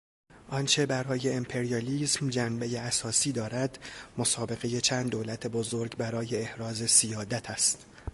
آنچه برای امپریالیسم جنبهٔ اساسی دارد مسابقهٔ چند دولت بزرگ برای احراز سیادت است.